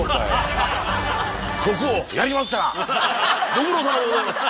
ご苦労さまでございます。